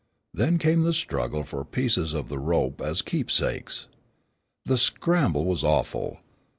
Then came the struggle for pieces of the rope as "keepsakes." The scramble was awful.